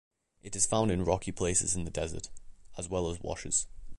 It is found in rocky places in the desert, as well as washes.